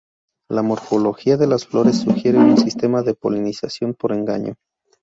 La morfología de las flores sugiere un sistema de polinización por engaño.